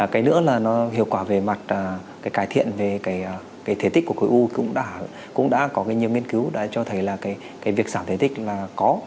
cái nữa là nó hiệu quả về mặt cái cải thiện về cái thể tích của khối u cũng đã có nhiều nghiên cứu đã cho thấy là cái việc giảm thể tích là có